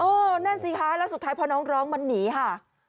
นั่นสิคะแล้วสุดท้ายพอน้องร้องมันหนีค่ะ